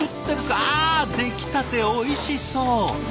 うわ出来たておいしそう！